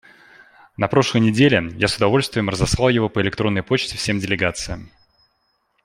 На прошлой неделе я с удовольствием разослал его по электронной почте всем делегациям.